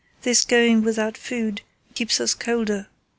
"This going without food keeps us colder.